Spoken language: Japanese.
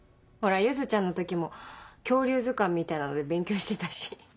ほら柚ちゃんの時も恐竜図鑑みたいなので勉強してたし。